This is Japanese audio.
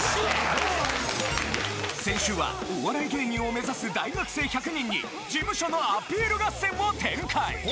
先週はお笑い芸人を目指す大学生１００人に事務所のアピール合戦を展開！